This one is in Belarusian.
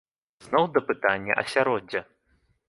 Зноў да пытання асяроддзя.